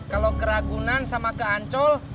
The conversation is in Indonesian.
kalau ke ragunan sama ke ancol